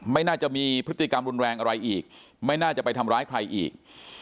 ไม่น่าจะมีพฤติกรรมรุนแรงอะไรอีกไม่น่าจะไปทำร้ายใครอีก